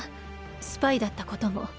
スパイだったことも。